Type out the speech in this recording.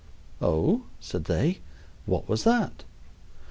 "Oh," said they, "what was that?"